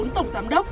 bốn tổng giám đốc